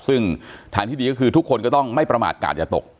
ซึ่งทางที่ดีก็คือทุกคนก็ต้องไม่ประมาทกาศอย่าตก